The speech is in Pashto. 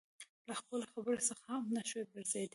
له خپلې خبرې څخه هم نشوى ګرځېدى.